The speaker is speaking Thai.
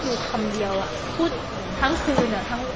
เพียงคำเดียวหาพูดทั้งคืน